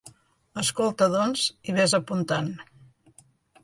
Escolta, doncs, i ves apuntant.